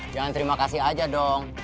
jangan terima kasih aja dong